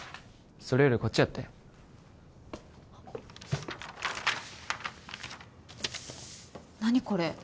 それよりこっちやって何これ？